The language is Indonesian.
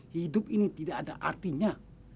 hidup ini tidak ada artinya